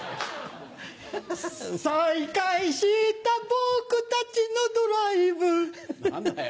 再開した僕たちのドライブ何だよ？